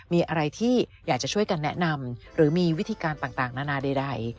มีอะไรที่อยากจะช่วยกันแนะนำหรือมีวิธีการต่างนานาใด